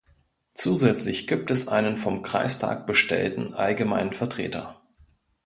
Zusätzlich gibt es einen vom Kreistag bestellten allgemeinen Vertreter.